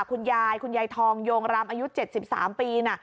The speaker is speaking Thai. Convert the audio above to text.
คุณยายคุณยายทองโยงรำอายุ๗๓ปีนะ